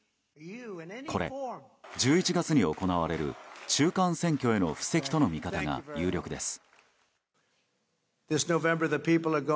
これ、１１月に行われる中間選挙への布石との見方が有力です。